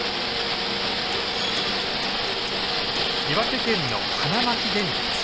岩手県の花巻電鉄。